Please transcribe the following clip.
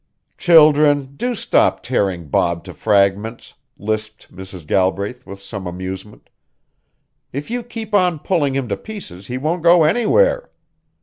"Children, do stop tearing Bob to fragments," lisped Mrs. Galbraith with some amusement. "If you keep on pulling him to pieces he won't go anywhere.